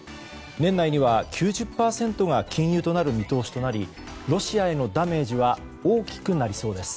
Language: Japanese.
年内には９０％が禁輸となる見通しとなりロシアへのダメージは大きくなりそうです。